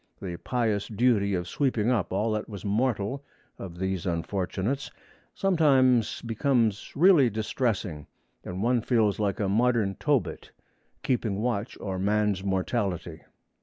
The pious duty of sweeping up all that was mortal of these unfortunates sometimes becomes really distressing, and one feels like a modern Tobit, keeping watch o'er man's mortality.